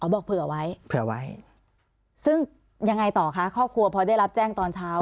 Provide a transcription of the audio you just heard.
บอกเผื่อไว้เผื่อไว้ซึ่งยังไงต่อคะครอบครัวพอได้รับแจ้งตอนเช้า